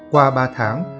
qua ba tháng